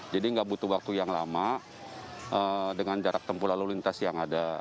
jadi nggak butuh waktu yang lama dengan jarak tempuh lalu lintas yang ada